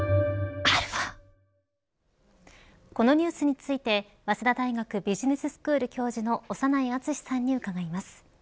このニュースについて早稲田大学ビジネススクール教授の長内厚さんに伺います。